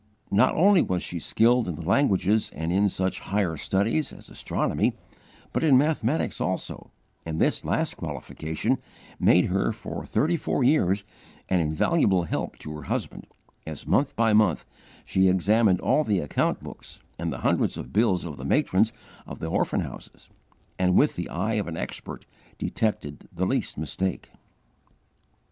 Not only was she skilled in the languages and in such higher studies as astronomy, but in mathematics also; and this last qualification made her for thirty four years an invaluable help to her husband, as month by month she examined all the account books, and the hundreds of bills of the matrons of the orphan houses, and with the eye of an expert detected the least mistake.